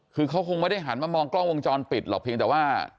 คือเขาคงไม่ได้หันมามองกล้องวงจรปิดหรอกเพียงแต่ว่า